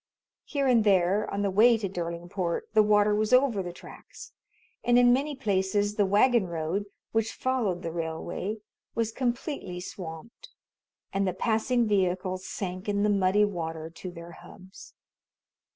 Here and there, on the way to Derlingport, the water was over the tracks, and in many places the wagon road, which followed the railway, was completely swamped, and the passing vehicles sank in the muddy water to their hubs.